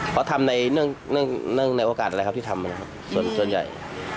เขาทำในโอกาสอะไรครับที่ทำส่วนใหญ่